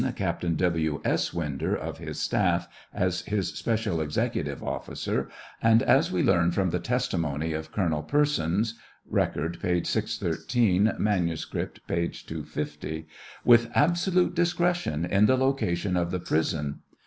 Captain W. S. Winder of his staff, as his special executive officer, and as we learn from the testimony of Colonel Persons (Record, p. 613; manuscript, p. 250,) "with absolute discretion in the location of the prison."